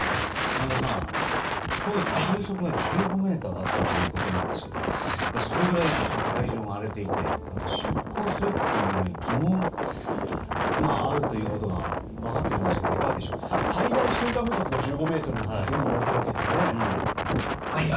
山田さん、当時、風速が１５メートルあったということなんですけれどもそれぐらい海上が荒れていて出航するということに疑問があるということが分かっているんですが最大瞬間風速が１５メートルといわれているんですよね。